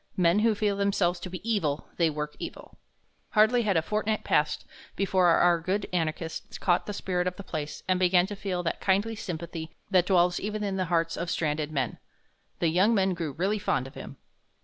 Men who feel themselves to be evil, they work evil. Hardly had a fortnight passed before our good anarchist caught the spirit of the place and began to feel that kindly sympathy that dwells even in the hearts of stranded men. The young men grew really fond of him.